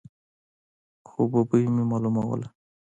خو ببۍ مې معلوموله.